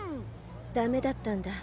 ダメだったんだ？